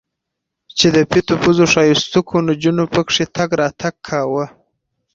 چې د پيتو پوزو ښايستوکو نجونو پکښې تګ راتګ کاوه.